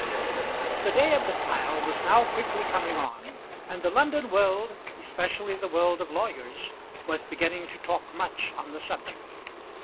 The day of the trial was now quickly coming on, and the London world, especially the world of lawyers, was beginning to talk much on the subject.